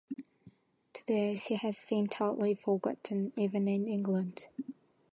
Today she has been totally forgotten, even in England.